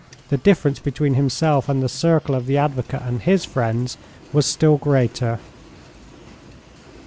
the difference between himself and the circle of the advocate and his friends was still greater.